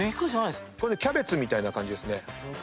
キャベツみたいな感じですね。